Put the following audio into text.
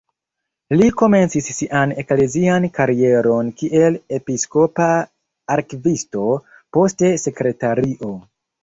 Li komencis sian eklezian karieron kiel episkopa arkivisto, poste sekretario.